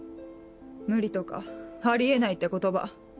「無理」とか「あり得ない」って言葉。